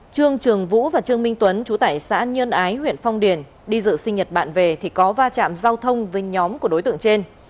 trương trường vũ và trương minh tuấn chú tẩy xã nhân ái huyện phong điền đi dự sinh nhật bạn về thì có va chạm giao thông với nhóm của đối tượng trên